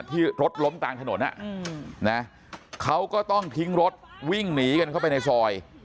ที่รถล้มกลางถนนเขาก็ต้องทิ้งรถวิ่งหนีกันเข้าไปในซอย